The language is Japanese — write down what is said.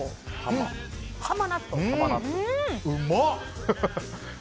うまっ！